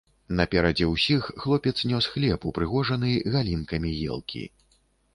Наперадзе ўсіх хлопец нёс хлеб, упрыгожаны галінкамі елкі.